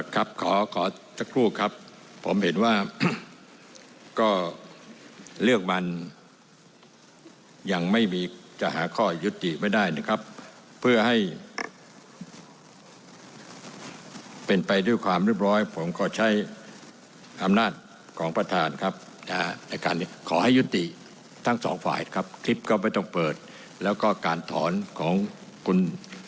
ขอขอสักครู่ครับผมเห็นว่าก็เรื่องมันยังไม่มีจะหาข้อยุติไม่ได้นะครับเพื่อให้เป็นไปด้วยความเรียบร้อยผมขอใช้อำนาจของประธานครับนะฮะในการขอให้ยุติทั้งสองฝ่ายครับคลิปก็ไม่ต้องเปิดแล้วก็การถอนของคุณ